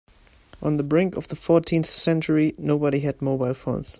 On the brink of the fourteenth century, nobody had mobile phones.